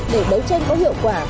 để đấu tranh có hiệu quả